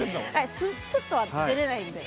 すっとは出れないんで。